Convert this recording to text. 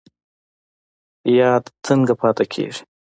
یاد څنګه پاتې کیږي؟